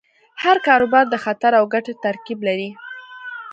هر کاروبار د خطر او ګټې ترکیب لري.